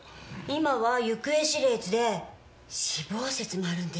今は行方知れずで死亡説もあるんです。